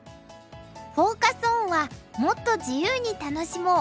フォーカス・オンは「もっと自由に楽しもう！